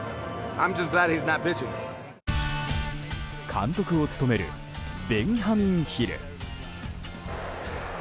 監督を務めるベンハミン・ヒル。